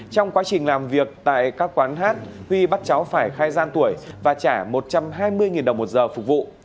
trong quá trình làm việc tại các quán hát huy bắt cháu phải khai gian tuổi và trả một trăm hai mươi đồng một giờ phục vụ